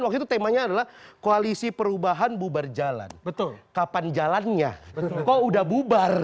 waktu itu temanya adalah koalisi perubahan bubar jalan betul kapan jalannya kok udah bubar